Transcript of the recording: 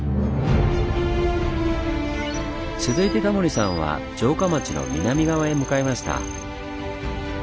続いてタモリさんは城下町の南側へ向かいました。